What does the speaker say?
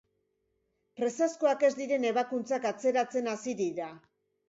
Presazkoak ez diren ebakuntzak atzeratzen hasi dira.